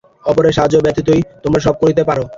অপরের সাহায্য ব্যতীতই তোমরা সব করিতে পার।